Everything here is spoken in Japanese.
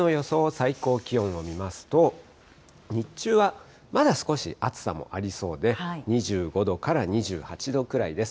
最高気温を見ますと、日中はまだ少し暑さもありそうで、２５度から２８度くらいです。